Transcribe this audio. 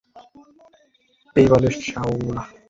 এই বালের শেওলা!